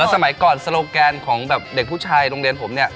สมัยก่อนโซโลแกนของแบบเด็กผู้ชายโรงเรียนผมเนี่ย